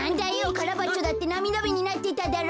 カラバッチョだってなみだめになってただろ。